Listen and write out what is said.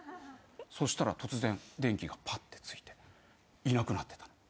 そしたら突然電気がパッてついていなくなってたの。